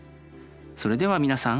それでは皆さん。